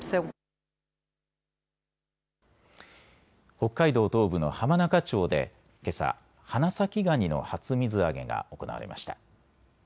北海道東部の浜中町でけさ、花咲ガニの初水揚げが行われました。